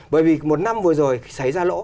bởi vì một năm vừa rồi xảy ra lỗ